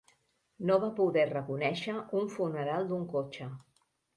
No va poder reconèixer un funeral d"un cotxe.